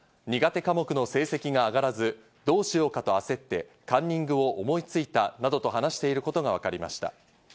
苦手科目の成績が上がらず、どうしようかと焦って、カンニングを思いついたなどと話していることがわかりました。